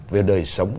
về đời sống